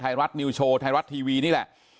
ทางรองศาสตร์อาจารย์ดรอคเตอร์อัตภสิตทานแก้วผู้ชายคนนี้นะครับ